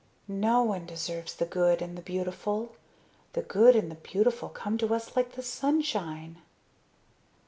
"No one deserves the good and the beautiful. The good and the beautiful come to us like the sunshine."